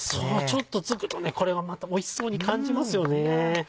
ちょっとつくとこれがまたおいしそうに感じますよね！